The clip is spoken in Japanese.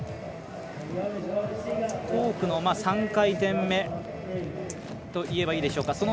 コークの３回転目といえばいいでしょうか。